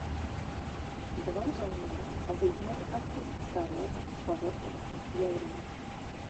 Два жаўнеры выгналі адтуль старога спалоханага яўрэя.